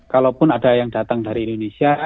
kalaupun ada yang datang dari indonesia